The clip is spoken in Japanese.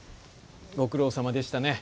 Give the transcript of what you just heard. ご苦労さまでしたね。